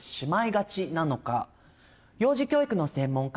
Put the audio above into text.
幼児教育の専門家